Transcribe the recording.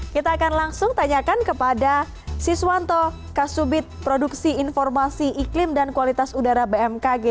kita akan langsung tanyakan kepada siswanto kasubit produksi informasi iklim dan kualitas udara bmkg